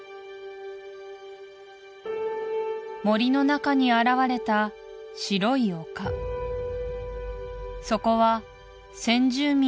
森の中に現れた白い丘そこは先住民たちにとって